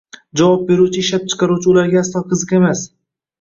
javob beruvchi ishlab chiqaruvchi ularga aslo qiziq emas.